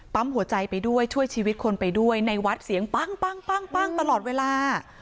หัวใจไปด้วยช่วยชีวิตคนไปด้วยในวัดเสียงปั้งตลอดเวลา